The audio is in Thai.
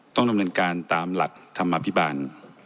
ต้องดำเนินการตามหลักธรรมอภิบาล